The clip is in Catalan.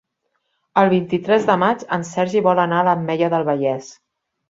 El vint-i-tres de maig en Sergi vol anar a l'Ametlla del Vallès.